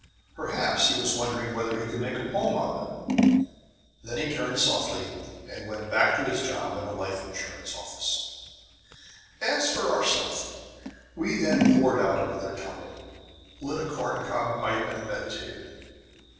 Perhaps he was wondering whether he could make a poem out of it. Then he turned softly and went back to his job in a life insurance office. As for ourself, we then poured out another tumbler, lit a corncob pipe, and meditated.